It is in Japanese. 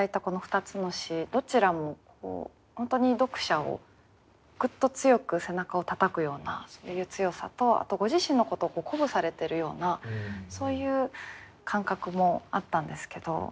この２つの詩どちらも本当に読者をグッと強く背中をたたくようなそういう強さとあとご自身のことを鼓舞されてるようなそういう感覚もあったんですけど